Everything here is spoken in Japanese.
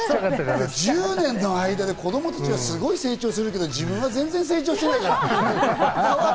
１０年の間で子供たちはすごく成長するけど、自分たちは全然成長してない。